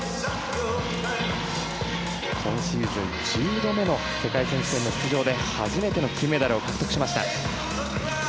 今シーズン１０度目の世界選手権の出場で初めての金メダルを獲得しました。